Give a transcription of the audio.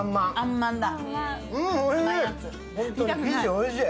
おいしい。